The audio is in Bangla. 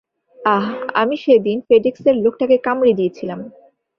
আহ, আমি সেদিন ফেডেক্স এর লোকটাকে কামড়ে দিয়েছিলাম।